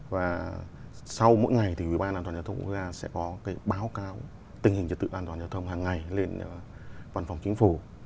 và sau mỗi ngày thì ủy ban an toàn giao thông quốc gia sẽ có cái báo cáo tình hình trật tự an toàn giao thông hàng ngày lên văn phòng chính phủ